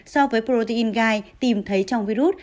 so với protein gai tìm thấy trong virus